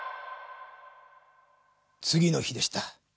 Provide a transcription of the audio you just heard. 次の日でした。